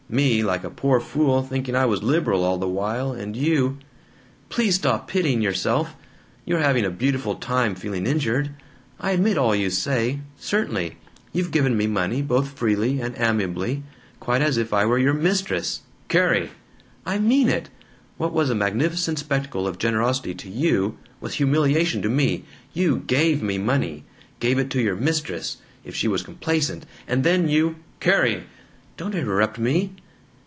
Me, like a poor fool, thinking I was liberal all the while, and you " "Please stop pitying yourself! You're having a beautiful time feeling injured. I admit all you say. Certainly. You've given me money both freely and amiably. Quite as if I were your mistress!" "Carrie!" "I mean it! What was a magnificent spectacle of generosity to you was humiliation to me. You GAVE me money gave it to your mistress, if she was complaisant, and then you " "Carrie!" "(Don't interrupt me!)